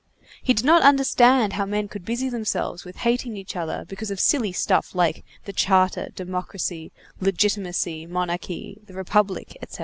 He did not understand how men could busy themselves with hating each other because of silly stuff like the charter, democracy, legitimacy, monarchy, the republic, etc.